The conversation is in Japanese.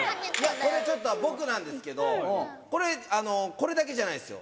これちょっと僕なんですけどこれだけじゃないんですよ。